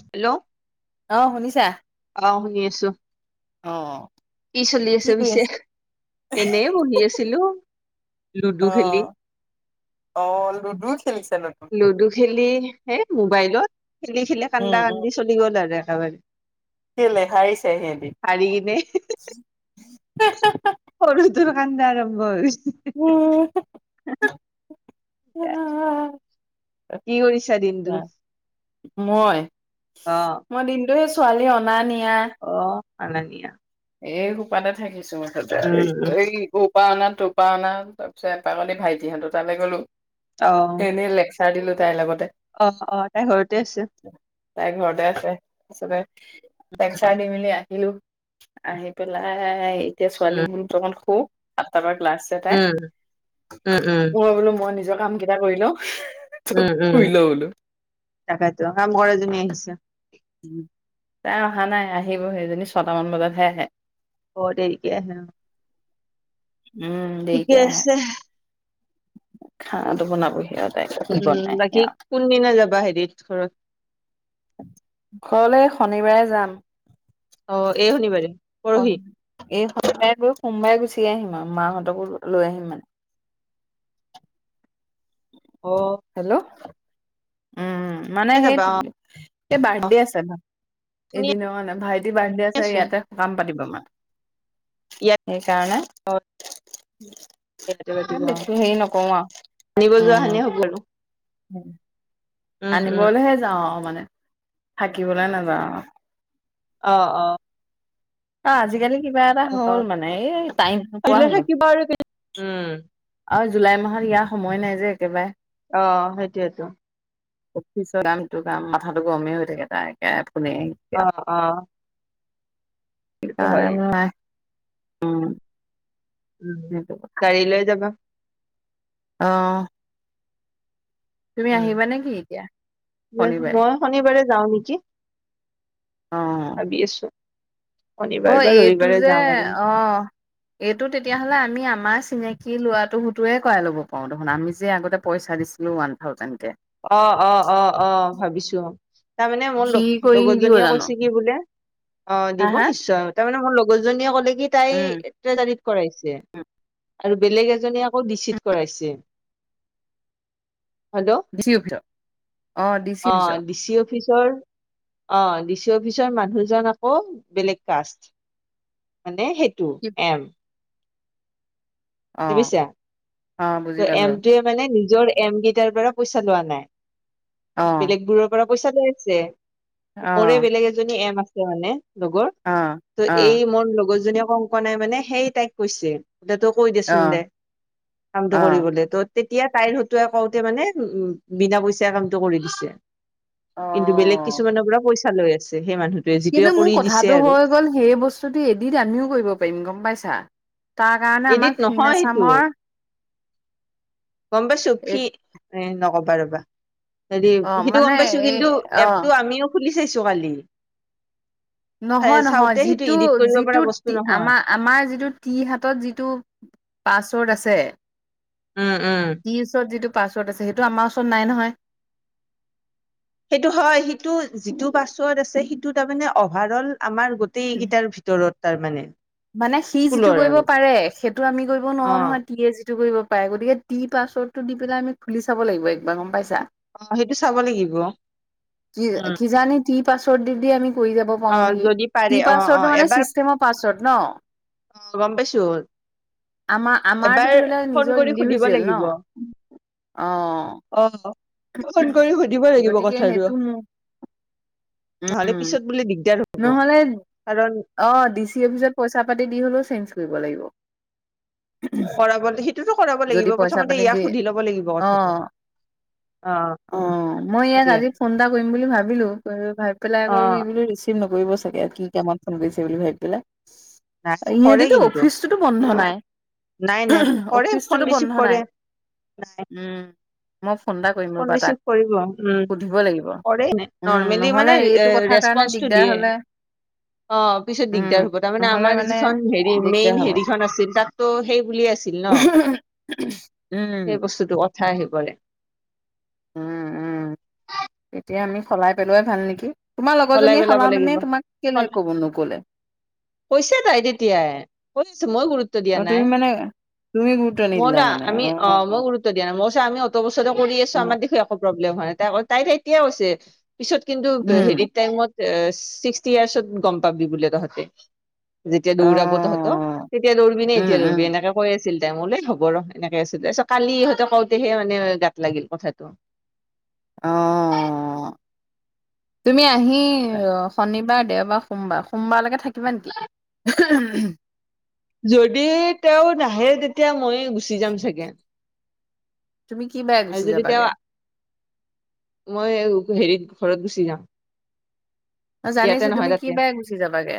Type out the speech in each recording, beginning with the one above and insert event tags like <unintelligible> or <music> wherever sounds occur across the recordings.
Hello অহ শুনিছা পাওঁ শুনি আছো অ অ কি চলি আছে পিছে এনে বহি আছিলো লুডু অ খেলি অ লুডু খেলিছে ন লুডু খেলি হেই মোবাইলত খেলি খেলি কান্দা উম, উম। কান্দি চলি গ'ল আৰু একেবাৰে কেলে হাৰিছে সিহঁদি হাৰি কিনে সৰুটো কান্দা আৰম্ভ হৈ গৈছে উম আহ কি কৰিছা দিনটো মই অ মই দিনটো সেই ছোৱালী অনা নি অ আঙনিয়া এই সোপাতে থাকিছো মতে উম উম এই উপানাত টোপা অনা তাৰপিছে এপাকনি ভাইটিহঁতো তালৈ গ'লো অ দিলো তাইৰ লগতে অ অ তাই ঘৰতে আছে তাইৰ ঘৰতে আছে চাৰ দি মেলি আহিলো আহি পেলাই এতিয়া ছোৱালী উম অমান শো আাঠটা ক্লাছে তাই উম উম উম মই বোলো মই নিজৰ কাম কেইটা কৰি লওঁ উম উম শুই লৈ বোলো। তাকেতো কাম কৰাজনী আহিছে তাই অহা নাই আহিব সেইজনী ছটামান বজাতহে আহে অ দেৰিকে আহে উম ঠিকে দেৰিকে আহে আছে খানাটো বনাবহি আৰু তাই কি উম বনাই বাকী সেয়া কোনদিনা যাবা হেৰিত ঘৰত ঘৰলৈ শনিবাৰে যাম অ এই শনিবাৰে অ পৰহি এই শনিবাৰে গৈ সোমবাৰে গুচি গুচি আহিম আৰু মাহঁতকো লৈ আহিম মানে অ হেল্ল' উম মানে কেতিয়া সেই যাবা সেই অ বাৰ্থডে আছে ন শুনি এদিনৰ মানে ভাইটি বাৰ্থডে আছে আছো ইয়াতে সকাম পাতিব মানে ইয়াত এই কাৰণে অ ইয়াতে পাতিব অ বেছো হেৰি নকওঁ আনিব আৰু যোৱা হানে উম হ'ব আৰু উম উম আনিবলৈহে যাওঁ মানে থাকিবলৈ নাযাওঁ আৰু অ অ অ আজিকালি কিবা এটা অ হল মানে এই টাইম নোপোৱা পাৰিলে হলো থাকিবা আৰু উম আৰু জুলাই মাহত ইয়াৰ সময় নাই যে একেবাৰে অ সেইটোৱেতো অফিচৰ কামটো কাম মাথাাতটো গৰমেই হৈ থাকে তাইে অ অ কি সেইটো কাৰ হয় নাই উম উ সেইটো গাড়ী লৈ যাবা অহ উম শনিবাৰে মই শনিবাৰে যাওঁ নেকি অ ভাবি আছো শনিবাৰ অ' বা এইটো ৰবিবাৰে যে, যাম আৰু অ' এইটো তেতিয়াহ'লে আমি আমাৰ চিনাকি লোৱাটো হতোৱাই কৰাই ল'ব পাৰোঁ দেখোন আমি যে আগতে পইচা দিছিলো ওৱান থাউজেণ্ড। কে অ', অ', অ', অ', ভাবিছোঁ। তাৰমানে মোৰ সি কৰি নিদিব লগ-লগজনীয়ে জানো কৈছে কি বোলে অ' হা দিব হা নিশ্চয় তাৰমানে মোৰ লগৰজনীয়ে ক'লে কি তাই উম এক্টেজানিত কৰাইছে। আৰু বেলেগ এজনীয়ে আকৌ ডিচিত কৰাইছে। হেল্ল'। ডি চি অফিচত অ ডি চি অফিচত অ' ডিচি অফিচ চৰ, অ' ডিচি অফিচৰ মানুহজন আকৌ বেলেগ কাষ্ট। মানে সেইটো এম। অ দিবিছা অ ত' বুজি পালো এমটোয়ে মানে নি জৰ এম গিটাৰ পৰা পইচা লোৱা নাই। অ বেলেগবোৰৰ পৰা পইচা লৈ আছে। অ মোৰে বেলেগ এজনী এম আছে মানে লগৰ অ ত' অ এই মোৰ লগৰ জনীয়ে, কংকনাই মানে সেই তাইক কৈছে। যে তোক কৈ দেচোন অ দে কামটো অ'। কৰিবলৈ তত তেতিয়া তাইৰ হতুৱাই কওঁতে মানে বিনা পইচাই কামটো কৰি দিছে। অ'। কিন্তু বেলেগ কিছুমানৰ পৰা পইচা লৈ আছে সেই মানুহ কিন্তু মোৰ কথাটো হৈ গ'ল সেই বস্তুটো এদিত আমিও কৰিব পাৰিম গম পাইছা। তাৰ কাৰণে আমাক এডিত ফিন নহয় সেইটো আছামৰ গম পাইছোঁ। এ ফি, এ নকবা ৰ'বা। হেৰি অ' সিটো মানে গম পাইছোঁ এই কিন্তু অ'। এপটো আমিও খুলি চাইছো কালি। নহয় নহয় চাওঁতে সেইটো যিটো, ইডিট কৰিব পৰা যিটো বস্তু নহয় আমা, আমাৰ যিটো টিহাতত যিটো পাছৱৰ্ড আছে। উম উম টি ওচৰত যিটো পাছৱৰ্ড আছে সেইটো আমাৰ ওচৰত নাই নহয়। সেইটো হয় সিটো যিটো পাছৱৰ্ড আছে সিটো তামানে অভাৰঅল আমাৰ গোটেইকিইটাৰ ভিতৰত তাৰমানে। মানে সি যিটো স্কুলৰ কইব আৰু পাৰে সেটো আমি কৰিব অ নোৱাও নহয় তিয়ে যিটো কইব পাই গতিকে টি পাছৱৰ্ডটো দি পেলাই আমি খুলি চাব লাগিব একবাৰ গম পাইছা। অ' সেটো চাব লাগিব। উম কি-কিজানি টি পাচৱৰ্ড দি দি আমি কই যাব অ পাও নেকি। যদি পাৰে কি অ পাছৱৰ্ডটো মানে এবাৰ চিচটেমৰ পাছৱৰ্ড ন? অ' গম পাইছো। আমাৰ আমাৰতো এবাৰ ধৰি লোৱা ফ'ন নিজৰ কৰি সুধিব ইণ্ডিভিজুৱেল ন? লাগিব। অ' অ' ফোন কৰি সুধিব লাগিব গতিকে কথাটো। সেইটো মোৰ নহ'লে উম, পিছত বোলে দিগদাৰ হ'ব। নহ'লে কাৰণ অ' ডিচি অফিচত পইচা পাতি দি হ'লেও চেঞ্জ কইব লাগিব। কৰাব, সিটোতো কৰাব যদি লাগিব পইচা প্ৰথমতে পাতি দি ইয়াক সুধি ল'ব লাগিব কথাটো। অ' অ অ' মই ইয়াক সেইটোয়ে আজি ফোন এটা কইম বুলি ভাবিলো ভাবি পেলাই আকৌ অ ই বোলো ৰিচিভ নকইব চাগে কি কামত ফোন কইছে বুলি ভাবি পেলাই। নাই কৰে ইহেতেটো কিন্তু অফিচটোতো বন্ধ নাই। নাই নাই কৰে ফোন অফিচটোতো ৰিচিভ বন্ধ কৰে নাই। নাই উম মই ফোন টা কইম ফোন ৰ'বা তাক। ৰিচিভ কৰিব উম সুধিব লাগিব কৰে উম নৰ্মেলি মানে নহ'লে এ এইটো কথা কাৰণে ৰেচপন্সটো দিগদাৰ দিয়ে হ'লে। অ' পিছত উম দিগদাৰ হ'ব তাৰমানে নহ'লে আমাৰ মানে যিখন হেৰি, দিগদাৰ মেইন হ'ব হেৰিখন আছিল তাতটো সেই বুলিয়ে আছিল ন। <inaudible> সেই বস্তুটো কথা আহি পৰে। উ, উ তেতিয়া আমি সলাই পেলোৱাই ভাল নেকি? তোমাৰ সলাই লগৰজনীয়ে পেলাব লাগিব সলাওঁতেনে তোমাক কেলে ক'ব, নক'লে? কইছে তাই তেতিয়াই, কৈছে মই গুৰুত দা আৰু ন তুমি মানে তুমি গুৰুত্ব নিদিলা মা মানে আমি অ, মই গুৰুত্ব দিয়া নাই মা <unintelligible> আমি অত বছৰে কৰি আছো অ আমাৰ দেখো একো প্ৰব্লেম হয় নাই তাই - তাইত এতিয়াও আছে। পিছত কিন্তু উম হেৰিত টাইমত ছিক্সটি ইয়াৰ্চত গম পাবি বোলে তহতে। যেতিয়া অ দৌৰাব তহত তেতিয়া দৌৰিবি নে উম এতিয়া উম দৌৰিবি এনেকে কৈ আছ। ছিল টাইমলৈ হ'ব ৰ এনেকে আছিল তাৰপিছত কালিহত কওতেহে মানে গাত লাগিল কথাটো। <inaudible> অ, তুমি আহি আহ, শনিবাৰ দেও। মাৰ সোমবাৰ - সোমবাৰলৈকে থাকিবা নেকি? যদি তেও নাহে তেতিয়া মই গুচি যাম চাগে। তুমি কি বাৰে আৰু গুচি যদিতিয়া যাবাগে মই হেৰিত ঘৰত গুচি যাম। অ, ইয়াতে জানিছো নহয় তুমি কি তাতে বেয়া গুচি যাবাগে।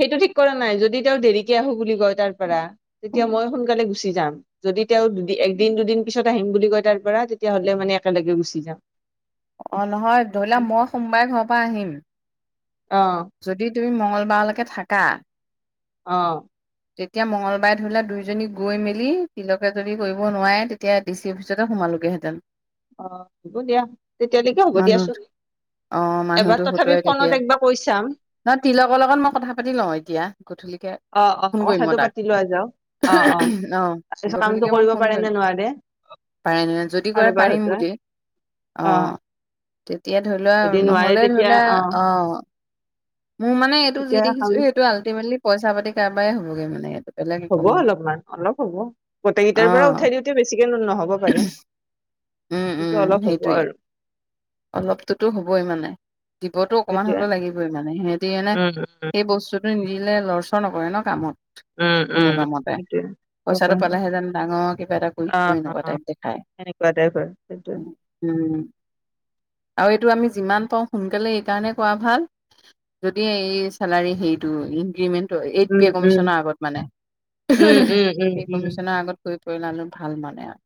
সেইটো ঠিক কৰা নাই যদি তেও দেৰিকে আহো বুলি কয় তাৰ তেতিয়া মই সোনকালে গুচি যাম যদি তেও দু একদিন দুদিন পিছত আহিম বুলি কয় তাৰ তেতিয়াহ'লে মানে একেলগে গুচি যাম। অ, নহয় ধৰিলোৱা মই সোমবাৰে ঘৰৰ পৰা আহিম। অ যদি তুমি মঙ্গলবাৰলৈকে থাকা অ', যেতিয়া মঙ্লবাৰে ধৰিলে দুইজনী গৈ মেলি তিলকে যদি কৰিব নোৱাৰে তেতিয়া ডি চি অফিচতে সোমাল। তেওঁলোকেহেতেন। অ, হব দিয়া তেতিয়ালৈকে হ'ব মানুহ দিয়াচোন। অ এবাৰ মানুহতো তথাপি হতুৱাই ফোনত তেতিয়া একবাৰ কৈছা। নহ তিলকৰ লগত মই কথা পাতি লও এতিয়া গধূলিকে। অ অ ফোন কৰিম মই কথাটো তাক পাতি লোৱা যাওক অ অ, তাৰপিছত কামটো গধূলিকে মই কৰিব ফোন পাৰে নে কৰিম। নোৱাৰে পাৰে ন যদি কৰে কাৰোবাৰ পাৰিম হয়তো বুলি। অ, তেতিয়া ধৰি লোৱা যদি নোৱাৰে নহলে তেতিয়া ধৰি লোৱা, অ আহ, মোৰ মানে এইটো যি তেতিয়া দেখিছো কাম সেইটো আল্টিমেটলি পইচা পাতি কাৰবাৰ হবগৈ মানে এইটো। বেলেগ একো হ'ব নহয়। অলপমান অলপ হ'ব গোটেইকেইটাৰ পৰা অ', উঠাই দিওঁতে বেছিকে নহব পাৰে! <inaudible> সেইটো উম, অলপ হ'ব সেইটোৱে আৰু। অলপটোতো হবই মানে, দিবতোঅকমান সেইটোৱে হ'লেও লাগিবই মানে সিহঁতি মানে উম সেই বস্তুটো নিদিলে লৰচৰ নকৰে ন কামত। উম কোনো উম কামতে সেইটোৱে তাকে। পইচাটো পালেহে যেন ডাঙৰ কিবা এটা কৰি এনেকুৱা টাইপ দেখায়। তেনেকুৱা টাইপ হয়, সেইটোৱে। উম, আৰু এইটো আমি যিমান পাৰোঁ, সোনকালে এইকাৰণে কৰা ভাল। যদি এই চেলাৰী হেইটো increment eight um pay um কমিচনৰ আগত মানে, উম উম উম এই উম কমিচনৰ আগত শুই পৰিলা নু ভাল মানে আৰ।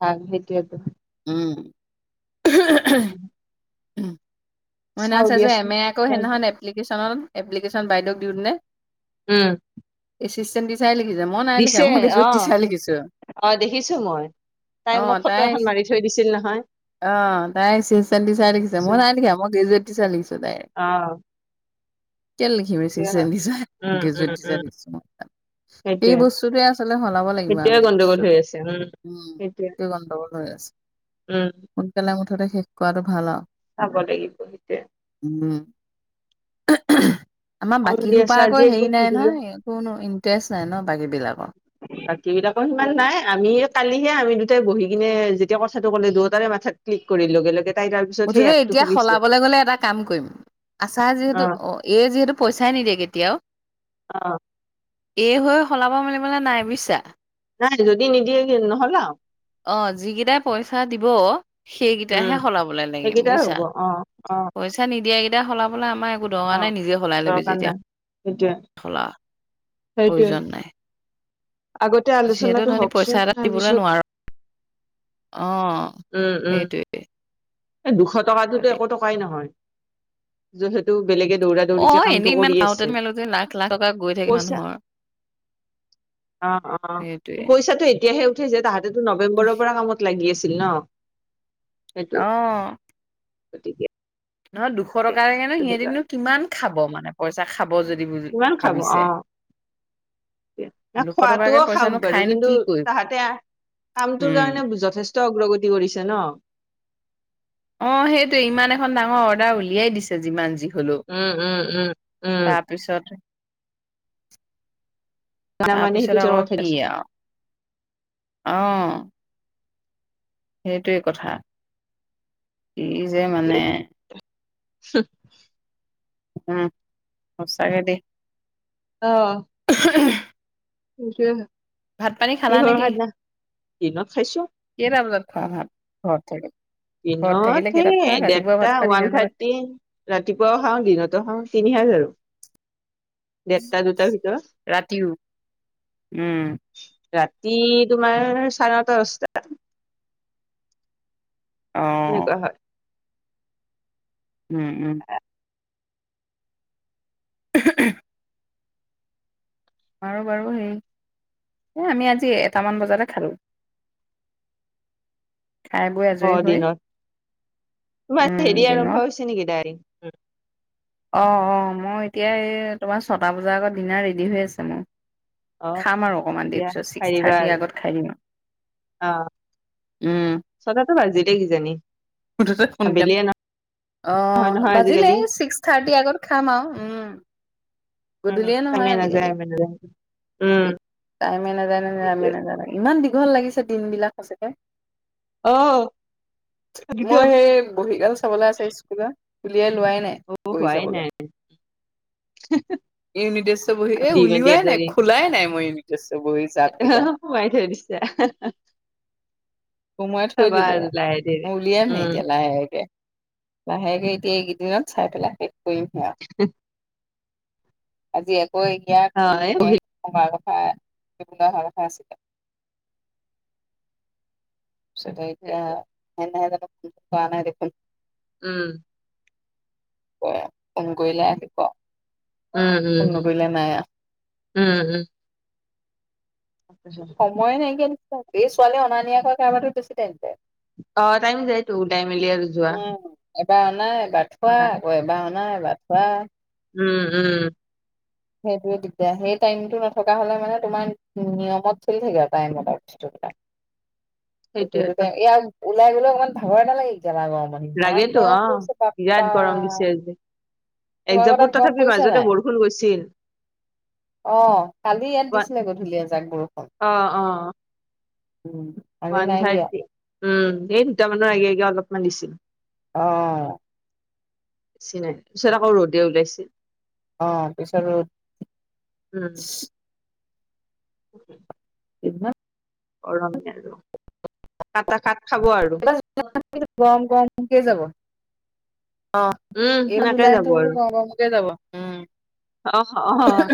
<unintelligible> সেইটোৱেটো। উম। <unintelligible> মই চাও সেইদিনা চাইছোঁ যে দিয়াচোন এম এ আকৌ সেইদিনাখন এপ্লিকেশ্যনত এপ্লিকেশ্যন বাইদেউক দিওঁতে নে? উম। এচিষ্টেণ্ট টিচাৰে লিখিছে মই নাই লিখা, দিছে মই গ্ৰেজুৱেট অ টিচাৰ লিখিছোঁ। অ দেখিছো মই তাই মোক অ', ফটো তাই এখন মাৰি থৈ দিছিল নহয় অ', তাই এচিষ্টেণ্ট টিচাৰ লিখিছে মই নাই লিখা মই গ্ৰেজুৱেট টিচাৰ লিখিছোঁ। অহ। কেলে লিখিম assistant teacher um um graduate teacher um লিখিছোঁ মই। সেই সেইটোৱে বস্তুটোৱে আচলতে সলাব লাগিব সেইটোৱে আমি গণ্ডগোল হৈ বস্তুটো আছে উম, সেইটোৱে সেই <unintelligible> উম সোনকালে মুঠতে শেষ কৰাটো ভাল আৰু। চাব লাগিব সেইটোৱে। উম আমাৰ অ বাকীসোপা দিয়াছো আজি আকৌ একবাৰ হেৰি নাই সুধিলো নহয় কোনো ইন্টাৰেষ্ট নাই ন' বাকী বিলাক। বাকী বিলাকো সিমান নাই আমি কালিহে আমি দুটাই বহি লৈ যেতিয়া কথাটো ক'লে দুয়োটাৰে মাথাত ক্লিক কৰি লগে লগে তাই তাৰ পিছত সেই মুঠতে এপটো এতিয়া খুলিছে সলাবলৈ গ'লে এটা কাম কৰিম আচাৰ যিহেতু অ', এই যিহেতু পইচাই নিদিয়ে কেতিয়াও। অ'। এই হৈ সলাব মেলিবলৈ নাই বুইছা নাই যদি নিদিয়ে নহ'লে অ', যিকেইটাই পইচা দিব সেইকেইটাহে উম সলাবলে লাগে সেইকেইটাৰ বুজিছা হ'ব অ অ পইচা নিদিয়াকেইটা সলাবলে আমাৰ দঙা অ নাই নিজে সলাই ল'বি দৰকাৰ যেতিয়া নাই সেইটোয়ে সলা সেইটোয়ে প্ৰয়োজন নাই আগতে যিহেতু আলোচনাটো সেই হওকচোন পইচা এটা দিবলৈ তাৰপিছত নোৱাৰো। অ', উম উম সেইটোৱেই। এই দুশ টকাতটোতো একো টকাই নহয়, যিহেতু বেলেগে দৌৰা দৌৰিকে অ', কামটো এনেই ইমান কৰি পাওঁতে আছে মেলিলো যে লাখ লাখ টকা গৈ থাকি পইচা মানুহৰ। <inaudible> অ, অ, সেইটোৱে পইচাটো এতিয়াহে উঠাইছে তাহাঁতেতো নৱেম্বৰৰ পৰা কামত লাগি আছে। <unintelligible> অ, গতিকে ন দুখ দুশ টকা লাগেনে, ত' সিহঁতিনো সেইকাৰণে কিমান খাব মানে পইচা খাব যদি কিমান খাব ভাবিছে। অ ন দুশ খোৱাটোও টকাকে পইচানো খাওক বাৰু খাইনো কিন্তু কি কৰিব তাহাঁতে কামটোৰ উম। কাৰণে যথেষ্ট অগ্ৰগতি কৰিছে ন? অ, সেইটোৱে ইমান এখন ডাঙৰ অৰ্ডাৰ উলিয়াই দিছে যিমান যি ধুলো, উম উম উম উম তাৰপিছত। মানে তাৰপিছত সেইটো আকৌ কথাই কি আছো আৰু আহ। সেইটোৱেই কথা ই যে মানে হিম। উম, সছাকে দেই। অহ ', <unintelligible> সেইটয়ে ভাত পানী খালা কিহৰ নেকি? খাদনা দিনত খাইছো। অহ, ঘৰত থাকে। দিনত সেই দেৰটা খোৱা ওৱান দিনতো ভাত খোৱা, থাৰ্টি ৰাতিপুৱাও খাও দিনতো খাও তিনি। <unintelligible> <inaudible> দেৰটা দুটাৰ ভিতৰত ৰাতিও উম। ৰাতি তোমাৰ চাৰে দস্তাত। অ' সনেকুৱা হয়। উম - উম। <unintelligible> আৰু বাৰু হে আমি আজি এটামান বজাতে খালো। খাই বৈ অ আজৰি হৈ দিনত তোমাৰ উম হেৰি দিনত আৰম্ভ হৈছে নেকি অ - অ মই এতিয়া এই তোমাৰ ছটা বজাৰ আগত ডিনাৰ ৰেডি হৈ আছে মোৰ। অ খাম আৰু অকমান দেৰি তেতিয়া পিছত ছিক্স থাৰ্টিৰ আগত খাই দিম আৰু অহ, চটাটো বাজিলে কিজানি। উঠো য়ে সোনকালে। আবেলিয়ে অ নহয় নহয় বাজিলে আজিকালি ছিক্স থাৰ্টি আগত খাম আৰু উম। উম গধূলিয়ে টাইমে নহয় নাযায় আজিকালি। টাইমে নাযায় উম টাইমে নাজাই নাজাই টাইমে সেইটোৱে নাজাই ইমান দীঘল লাগিছে দিন বিলাক সঁচাকে। অও মই সেই বহী গাল চাবলে আছে স্কুলৰ উলিয়াই লোৱাই নাই অ বহী হোৱাই চাবলৈ। নাই <unintelligible> ইউনিটেষ্টৰ বহী এ দি মেলি উলিওৱাই নাই আজৰি খোলাই নাই মই ইউনিটেষ্টৰ বহী জাপগিটা। সোমাই <unintelligible> সোমাই থৈ চাবা দিলো আৰু আও লাহে ধীৰে মই উলিয়াম হে উম এতিয়া লাহেকে লাহেকে এতিয়া এইকেইদিনত চাই পেলাই শেষ কৰিমহে। আৰু আজি আকৌ এতিয়া অ এই ফ্ৰিহে বহি নহলে আগত- হেয়া সি বোলে আহা কথা ‌আছিলে। তাছতে এতিয়া হেদিনা গতে ফোন কৰা নাই দেখোন উম। অ ফোন কৰিলে আহিব উম, ফোন উম, নকৰিলে নাই আৰু উম, উম, উম। সময় নাইকিয়া নিচিনা এই ছোৱালীয়ে অনা নিয়া কৰা কাৰণেতো বেছি টাইম <unintelligible> যায়তো ওলাই মেলি আৰু যোৱা উম এবাৰ আনা এবাৰ থোৱা আকৌ এবাৰ আনা বা থোৱা উম, উম। সেইটোয়ে দিগদাৰ সেই টাইমটো নথকা হলে মানে তোমাৰ নিয়মত চলি থাকে আৰু টাইমত আৰু বস্তুবোৰ এ সেইটোয়েতো সেটোকে ইয়াক ওলাই গলে অকমান ভাগৰ নালাগে গেলা গৰমত ইমান লাগেতো গৰম অ পৰিছে বাপ্পা। তোমালোকৰ একজাকত তাত গৰম তথাপি পৰিছে মাজতে বৰষুণ গৈছিল অহ কালি ইয়াত দিছিলে গধূলি এজাক বৰষুণ অ অ উম আজি ওৱান নাই দিয়া থাৰ্টি উম এই দুটামান বজাৰ আগে আগে অলপমান দিছিল অহ পিছত নাই পিছত আকৌ ৰ'দে ওলাইছে অ পিছত উ এনা <unintelligible> গৰম আৰু খাটা খাত <unintelligible> গম গমকেই যাব অ উম এই সেনেকে জুলাই যাব বোলো আৰু গৰমতে যাব উম। অ অ